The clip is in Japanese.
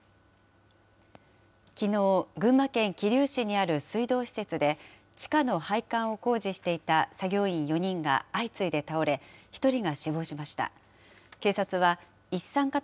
きのう、群馬県桐生市にある水道施設で、地下の配管を工事していた作業員４人が相次いで倒れ、１人が死亡しました。